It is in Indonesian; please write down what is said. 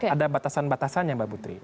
ada batasan batasannya mbak putri